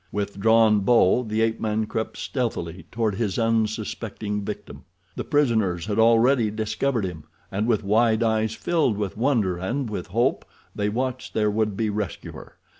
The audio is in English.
With drawn bow the ape man crept stealthily toward his unsuspecting victim. The prisoners had already discovered him, and with wide eyes filled with wonder and with hope they watched their would be rescuer.